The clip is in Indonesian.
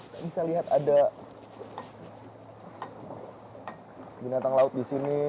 saya bisa lihat ada binatang laut di sini